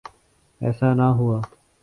ایسا نہ ہوا۔